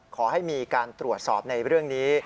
ขอให้มีการตรวจสอบในเรื่องนี้